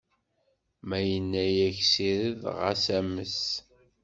Ma yenna-yak ssired, ɣas ames!